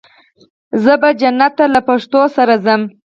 زه به جنت ته له پښتو سره ځم.